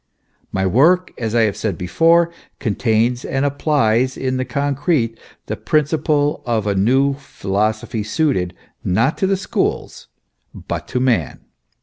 My work, as I said before, contains, and ap plies in the concrete, the principle of a new philosophy suited not to the schools, but to man.